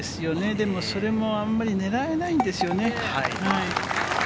でもそれも、あんまり狙えないんですよね。